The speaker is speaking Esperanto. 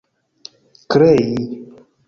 krei